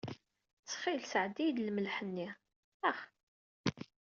Ttxil sɛeddi-iyi-d lmelḥ. Ax.